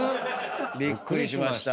びっくりしました。